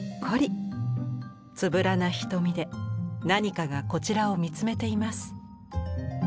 つぶらな瞳で何かがこちらを見つめています。